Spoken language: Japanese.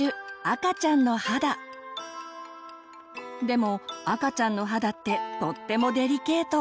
でも赤ちゃんの肌ってとってもデリケート。